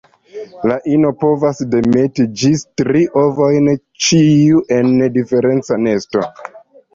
La ino povas demeti ĝis tri ovojn, ĉiu en diferenca nesto.